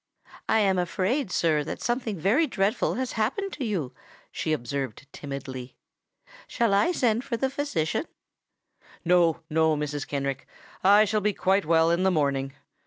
"I am afraid, sir, that something very dreadful has happened to you," she observed timidly. "Shall I send for the physician?" "No—no, Mrs. Kenrick: I shall be quite well in the morning.